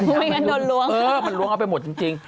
ไม่งั้นโดนล้วงเออมันล้วงเอาไปหมดจริง